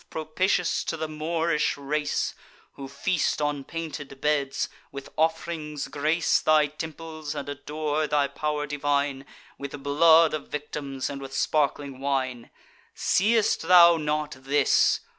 propitious to the Moorish race, Who feast on painted beds, with off'rings grace Thy temples, and adore thy pow'r divine With blood of victims, and with sparkling wine, Seest thou not this?